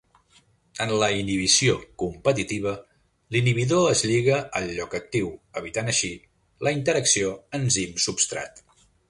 En la inhibició competitiva, l'inhibidor es lliga al lloc actiu, evitant així la interacció enzim-substrat.